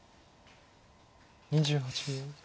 ２８秒。